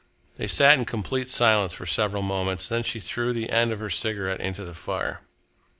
They sat in complete silence for several moments, Then she threw the end of her cigarette into the fire.